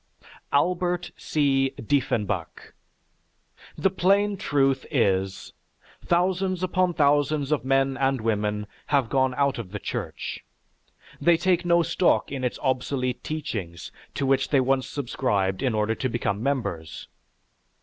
ALBERT C. DIEFFENBACH The plain truth is, thousands upon thousands of men and women have gone out of the Church. They take no stock in its obsolete teachings to which they once subscribed in order to become members.